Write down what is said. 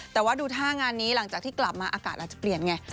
แต่ว่าดูท่างานนี้หลังจากที่กลับมาอากาศอาจจะเปลี่ยนไง